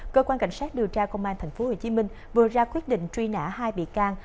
cơ quan cảnh sát điều tra công an tp hcm vừa ra quyết định truy nã hai bị can